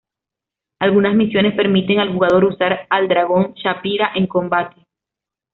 Algunas misiones permiten al jugador usar al dragón Saphira en combate.